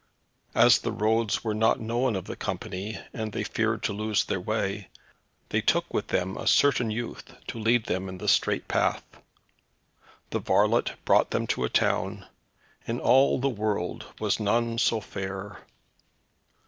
As the roads were not known of the company, and they feared to lose their way, they took with them a certain youth to lead them in the straight path. The varlet brought them to a town; in all the world was none so fair.